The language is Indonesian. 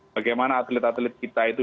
bagaimana atlet atlet kita itu